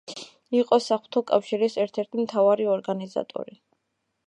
იყო „საღვთო კავშირის“ ერთ-ერთი მთავარი ორგანიზატორი.